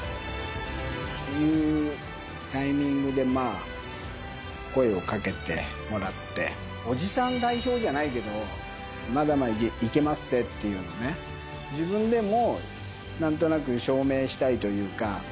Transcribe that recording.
こういうタイミングで声をかけてもらって、おじさん代表じゃないけど、まだまだいけまっせっていうのね、自分でもなんとなく証明したいというか。